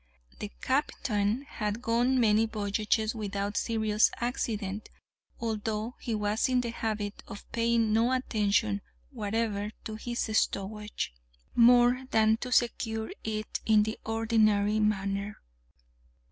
The captain had gone many voyages without serious accident, although he was in the habit of paying no attention whatever to his stowage, more than to secure it in the ordinary manner.